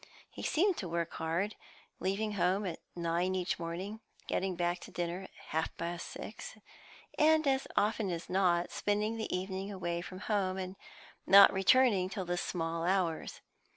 He seemed to work hard, leaving home at nine each morning, getting back to dinner at half past six, and, as often as not, spending the evening away from home, and not returning till the small hours.